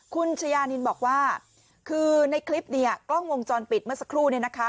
คุณชายานินบอกว่าคือในคลิปเนี่ยกล้องวงจรปิดเมื่อสักครู่เนี่ยนะคะ